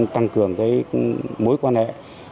tăng cường mối quan hệ